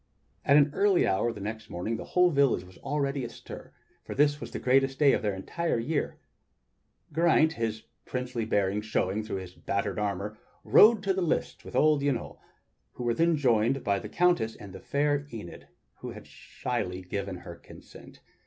At an early hour the next morning the whole village was already astir, for this was the greatest day of their entire year. Geraint, his princely bearing showing through his battered armor, rode to the lists with old Yniol, where they were joined by the Countess and the fair Enid, who had shyly given her consent.